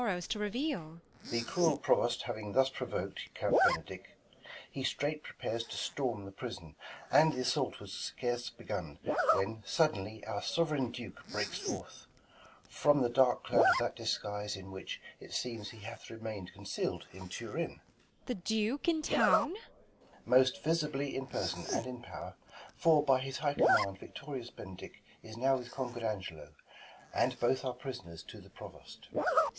The cruel Provost having thus provok'd Count Benedick ; he straight prepares to storm The prison ; and, th' assault was scarce begun When, suddenly our sov'reign Duke breaks forth From the dark cloud of that disguise, in which. It seems, he hath i emain'd conceal'd in Turin. Beat. The Duke in town 1 Balt. Most visibly in person, and in pow'r. For by his high command victorious Benedick Is now with conquer'd Angelo, and both Are pris'ners to the Provost. Beat.